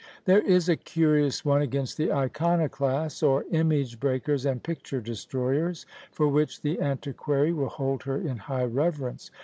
There is a curious one against the iconoclasts, or image breakers and picture destroyers, for which the antiquary will hold her in high reverence.